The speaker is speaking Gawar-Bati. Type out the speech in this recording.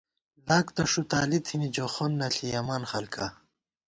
لاک تہ ݭُتالی تھنی جو خَون نہ ݪِیَمان خلکا